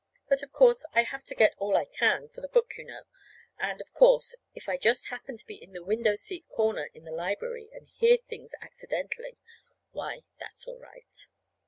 But, of course, I have to get all I can for the book, you know; and, of course, if I just happen to be in the window seat corner in the library and hear things accidentally, why, that's all right.